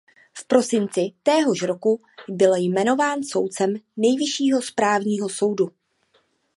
V prosinci téhož roku byl jmenován soudcem Nejvyššího správního soudu.